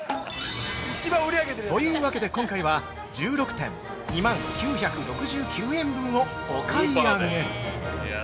◆というわけで今回は１６点、２万９６９円分をお買い上げ。